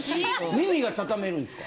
耳が畳めるんですか？